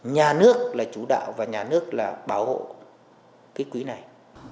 nhà nước là chủ đạo và nhà nước là bảo hộ cái quỹ này